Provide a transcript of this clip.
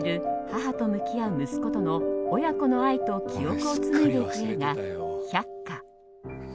母と向き合う息子との親子の愛と記憶を紡いでいく映画「百花」。